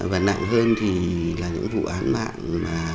và nặng hơn là những vụ án mạng